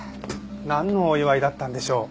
なんのお祝いだったんでしょう？